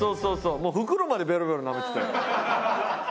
もう袋までベロベロなめてたよ。